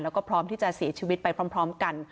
แล้วก็พร้อมที่จะเสียชีวิตไปพร้อมกัน